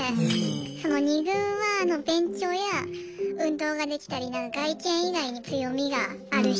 その２軍は勉強や運動ができたり外見以外に強みがある人たち。